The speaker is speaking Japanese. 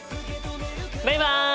バイバイ！